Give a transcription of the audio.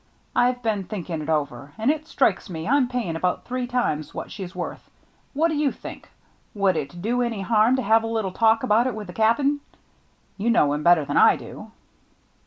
I've been thinking it over, and it strikes me I'm paying about three times what she's worth. What do you think ? Would it do any harm to have a little talk about it with the Cap'n ? You know him better than I do."